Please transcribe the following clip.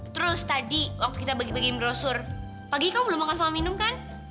terus tadi waktu kita bagi bagi brosur pagi kamu belum makan sama minum kan